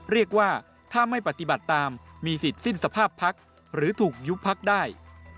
เรียกว่าถ้าไม่ปฏิบัติตามมีสิทธิ์สิ้นสภาพพักหรือถูกยุบพักได้